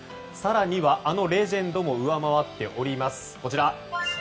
更には、あのレジェンドも上回っております。